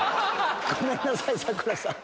ごめんなさい佐倉さん。